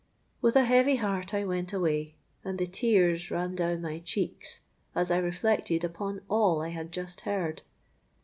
With a heavy heart I went away; and the tears ran down my cheeks, as I reflected upon all I had just heard.